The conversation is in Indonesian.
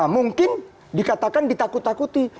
mungkin dikatakan ditakut takuti